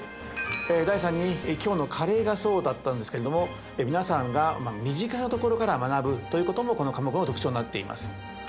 第３に今日のカレーがそうだったんですけれども皆さんが身近なところから学ぶということもこの科目の特徴になっています。